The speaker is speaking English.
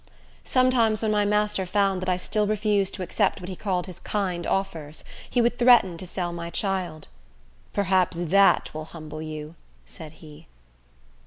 Sometimes, when my master found that I still refused to accept what he called his kind offers, he would threaten to sell my child. "Perhaps that will humble you," said he.